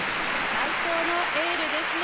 最高のエールですね。